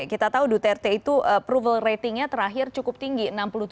kita tahu duterte itu approval ratingnya terakhir cukup tinggi